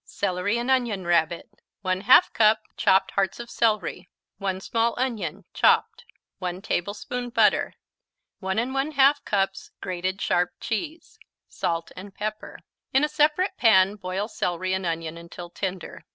Celery and Onion Rabbit 1/2 cup chopped hearts of celery 1 small onion, chopped 1 tablespoon butter 1 1/2 cups grated sharp cheese Salt and pepper In a separate pan boil celery and onion until tender.